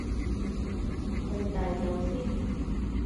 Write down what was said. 去第二度先